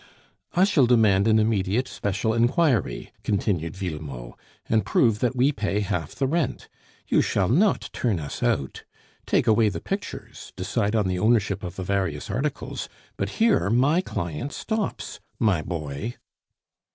"I shall demand an immediate special inquiry," continued Villemot, "and prove that we pay half the rent. You shall not turn us out. Take away the pictures, decide on the ownership of the various articles, but here my client stops 'my boy.